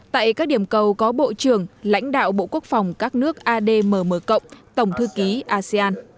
tại các điểm cầu có bộ trưởng lãnh đạo bộ quốc phòng các nước admm tổng thư ký asean